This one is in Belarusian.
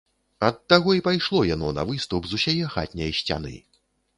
Ад таго і пайшло яно на выступ з усяе хатняй сцяны.